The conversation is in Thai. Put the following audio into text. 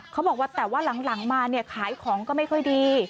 เขาบอกว่าแต่ว่าหลังมาเนี่ยขายของก็ไม่ค่อยดี